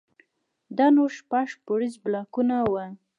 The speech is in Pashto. دا نو شپږ پوړيز بلاکونه وو.